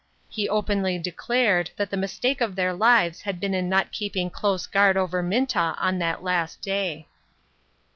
He openly de clared that the mistake of their lives had been in not keeping close guard over Minta on that last day.